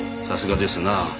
さすがですなあ